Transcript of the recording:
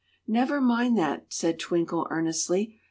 "Never mind that," said Twinkle, earnestly.